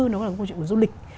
nó phải là câu chuyện của du lịch